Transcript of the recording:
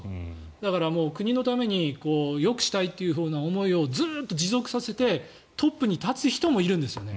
だから国のためによくしたいという思いをずっと持続させてトップに立つ人もいるんですね。